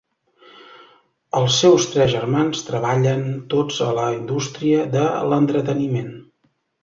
Els seus tres germans treballen tots a la indústria de l'entreteniment.